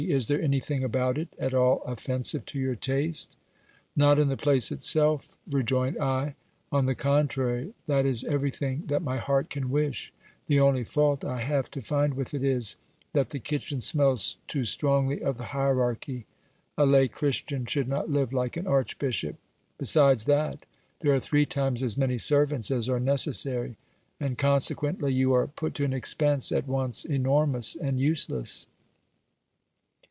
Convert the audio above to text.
Is there anything about it at all offensive to your taste ? Not in the place itself, rejoined I : on the con trary, that is everything that my heart can wish ; the only fault I have to find with it is, that the kitchen smells too strongly of the hierarchy ; a lay Christian should not live like an archbishop ; besides that, there are three times as many servants as are necessary, and consequently you are put to an expense at once enormous and useless.